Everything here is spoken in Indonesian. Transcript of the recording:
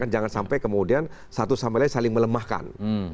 jangan sampai kemudian satu sama lain saling melemahkan